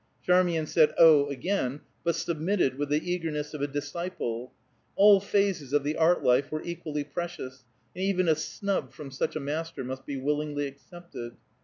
Charmian said "Oh!" again, but submitted with the eagerness of a disciple; all phases of the art life were equally precious, and even a snub from such a master must be willingly accepted.